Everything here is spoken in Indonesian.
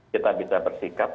kita bisa bersikap